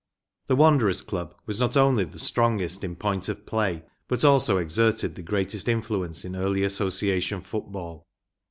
The Wanderers Club was not only the strongest in point of play, but also exerted the greatest influence in early Association foot¬ ball.